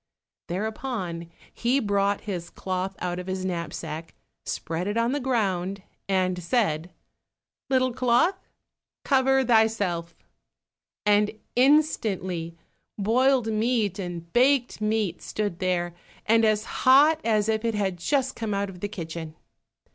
Thereupon he brought his cloth out of his knapsack, spread it on the ground, and said, "Little cloth, cover thyself," and instantly boiled meat and baked meat stood there, and as hot as if it had just come out of the kitchen.